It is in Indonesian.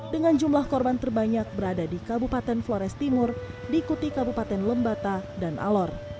dengan jumlah korban terbanyak berada di kabupaten flores timur diikuti kabupaten lembata dan alor